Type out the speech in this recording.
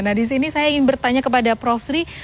nah di sini saya ingin bertanya kepada prof sri